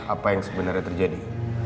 apa yang sebenarnya terjadi